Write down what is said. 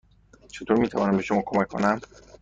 چطور می توانم به شما کمک کنم؟